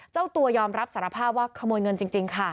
เจ้าตัวยอมรับสารภาพว่าขโมยเงินจริงค่ะ